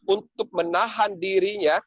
untuk menahan dirinya